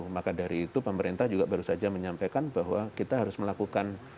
maka dari itu pemerintah juga baru saja menyampaikan bahwa kita harus melakukan